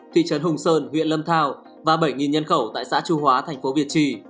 thị trấn hùng sơn huyện lâm thao và bảy nhân khẩu tại xã chu hóa thành phố việt trì